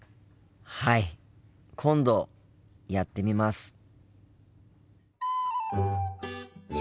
はい今度やってみます。